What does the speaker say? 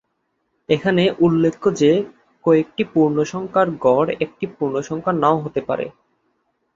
এখানে উল্লেখ্য যে কয়েকটি পূর্ণ সংখ্যার গড় একটি পূর্ণসংখ্যা নাও হতে পারে।